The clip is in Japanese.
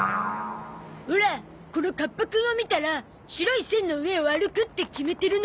オラこのカッパくんを見たら白い線の上を歩くって決めてるの。